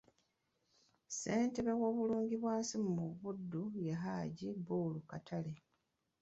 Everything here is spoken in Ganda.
Ssentebe wa bulungibwansi mu Buddu ye Haji Bull Katale.